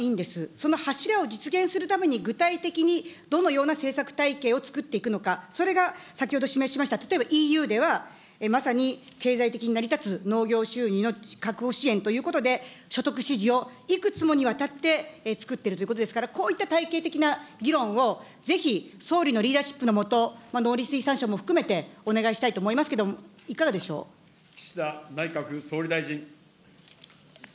その柱を実現するために、具体的にどのような政策体系を作っていくのか、それが先ほど示しました、例えばＥＵでは、まさに経済的に成り立つ農業収入の確保支援ということで、所得支持をいくつもにわたって作っているということですから、こういった体系的な議論を、ぜひ総理のリーダーシップの下、農林水産省も含めてお願いしたいと思いますけれども、いかがでし岸田内閣総理大臣。